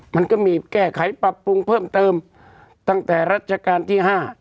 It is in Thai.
มันก็มีแก้ไขปรับปรุงเพิ่มเติมตั้งแต่รัชกาลที่๕